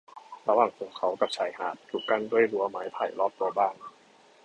ระหว่างตัวเขากับชายหาดถูกกั้นด้วยรั้วไม้ไผ่รอบตัวบ้าน